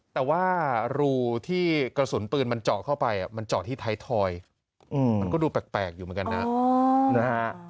แต่ว่ารูที่กระสุนปืนมันเจาะเข้าไปมันเจาะที่ไทยทอยมันก็ดูแปลกอยู่เหมือนกันนะนะฮะ